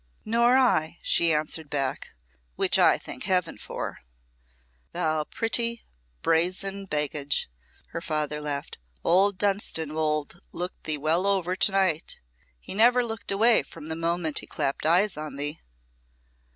"Nor I," she answered back, "which I thank Heaven for." "Thou pretty, brazen baggage," her father laughed. "Old Dunstanwolde looked thee well over to night. He never looked away from the moment he clapped eyes on thee."